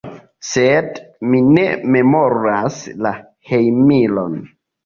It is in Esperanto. Sed mi ne memoras la hejmiron.